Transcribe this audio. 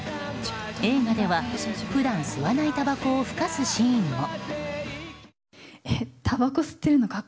映画では、普段吸わないたばこをふかすシーンも。